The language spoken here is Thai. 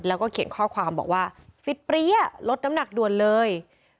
แล้วก็เขียนข้อความบอกว่าฟิตเปรี้ยลดน้ำหนักด่วนเลย